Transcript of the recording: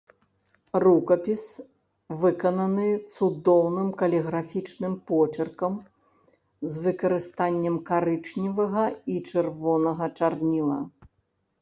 Рукапіс выкананы цудоўным каліграфічным почыркам з выкарыстаннем карычневага і чырвонага чарніла.